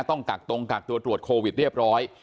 กักตรงกักตัวตรวจโควิดเรียบร้อย